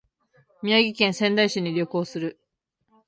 宮城県仙台市に旅行する